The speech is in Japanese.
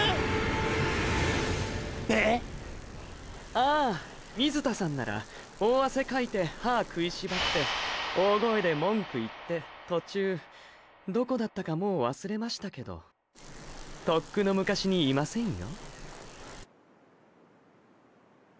ああ水田さんなら大汗かいて歯くいしばって大声で文句言って途中どこだったかもう忘れましたけどとっくの昔にいませんよ？